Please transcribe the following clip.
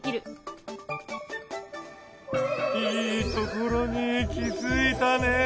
いいところに気付いたね？